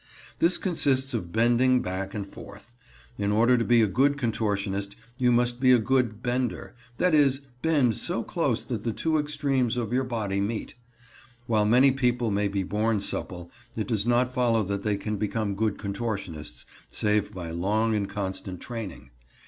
This consists of bending back and forth. In order to be a good contortionist you must be a good "bender," that is, bend so close that the two extremes of your body meet. While many people may be born supple, it does not follow that they can become good contortionists, save by long and constant training.